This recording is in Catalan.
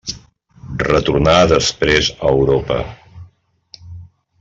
Retornà després a Europa.